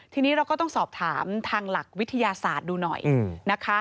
ทีนี้เราก็ต้องสอบถามทางหลักวิทยาศาสตร์ดูหน่อยนะคะ